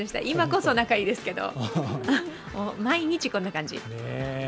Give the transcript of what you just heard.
今こそ、仲いいですけど、毎日こんな感じ。